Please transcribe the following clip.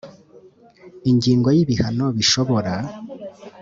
Ingingo ya ibihano bishobora